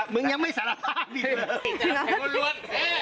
มึงยังไม่สารภาพอีกเลย